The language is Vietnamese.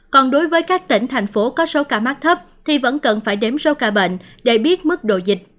còn đối với các tỉnh thành phố có số ca mắc thấp thì vẫn cần phải đếm số ca bệnh để biết mức độ dịch